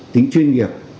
tính chuyên nghiệp